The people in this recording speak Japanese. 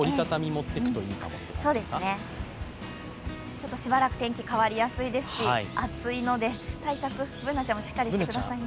ちょっとしばらく天気変わりやすいですし暑いので、対策、Ｂｏｏｎａちゃんもしっかりしてくださいね。